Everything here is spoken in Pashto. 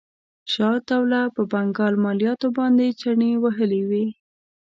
شجاع الدوله په بنګال مالیاتو باندې چنې وهلې وې.